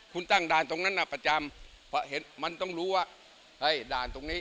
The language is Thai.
คุณตั้งด่านตรงนั้นอ่ะประจำมันต้องรู้ว่าได้ด่านตรงนี้